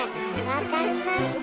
分かりました！